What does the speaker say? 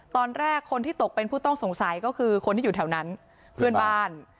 ตอนแรกคนที่ตกเป็นผู้ต้องสงสัยก็คือคนที่อยู่แถวนั้นเพื่อนบ้าน